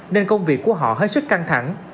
nên công việc của họ hơi sức căng thẳng